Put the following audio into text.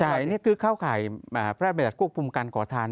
ใช่นี่คือเข้าข่ายพระแบรนดร์ควบคุมการขอทาน๒๕๕๙